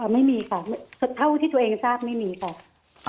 ไม่มีค่ะเท่าที่ตัวเองทราบไม่มีค่ะ